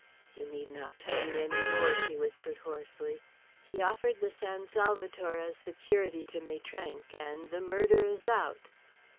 "You need not tell me any more," she whispered hoarsely. "He offered the San Salvator as security to Maitrank, and the murder is out."